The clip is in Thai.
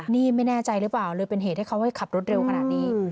นี่ไม่แน่ใจหรือเปล่าเลยเป็นเหตุให้เขาขับรถเร็วขนาดนี้